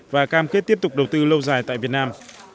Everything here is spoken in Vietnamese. và cam kết tiếp tục đầu tư lâu dài tại việt nam